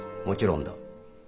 もちろんだ。